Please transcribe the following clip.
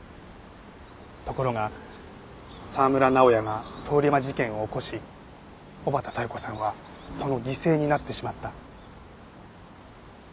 ところが沢村直哉が通り魔事件を起こし小畠妙子さんはその犠牲になってしまった。